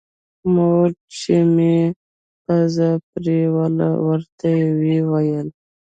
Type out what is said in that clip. مور چې مې پزه پرېوله ورته ويې ويل.